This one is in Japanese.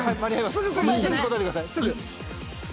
すぐ答えてくださいすぐ。